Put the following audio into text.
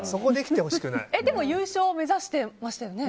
でも、優勝を目指してましたよね。